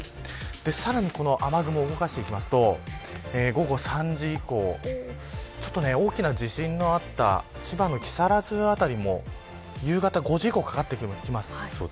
さらに雨雲を動かしていくと午後３時以降大きな地震のあった千葉の木更津辺りも夕方５時以降にかかってきます。